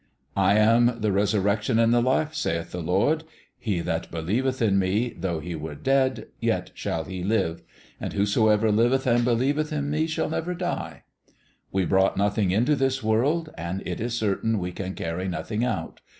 / am the resurrection and the life, saith the Lord : he that believeth in Me, though he were dead, yet shall he live : and whosoever liveth and believeth in Me shall never die. ... We brought nothing into this world, and it is certain we can carry nothing out.